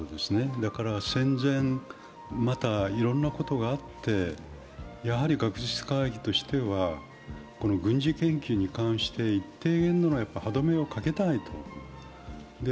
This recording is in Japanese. だから戦前、またはいろんなことがあって、やはり学術会議としては軍事研究に対して一定限度の歯止めをかけたいと。